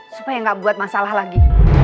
supaya nggak buat masalah lagi